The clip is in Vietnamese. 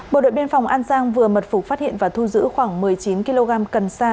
bộ đội biên phòng an giang vừa mật phục phát hiện và thu giữ khoảng một mươi chín kg cần sa